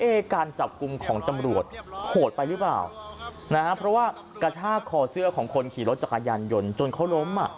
การจับกลุ่มของตำรวจโหดไปหรือเปล่านะฮะเพราะว่ากระชากคอเสื้อของคนขี่รถจักรยานยนต์จนเขาล้มอ่ะ